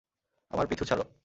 আমার পিছু ছাড়।